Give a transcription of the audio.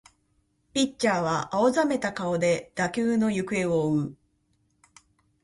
ピッチャーは青ざめた顔で打球の行方を追う